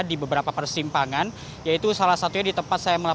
di beberapa persimpangan yaitu salah satunya di tempat saya melaporkan